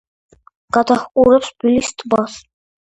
გადაჰყურებს ბილის ტბას.